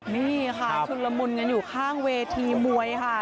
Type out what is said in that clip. นี่ค่ะชุนละมุนกันอยู่ข้างเวทีมวยค่ะ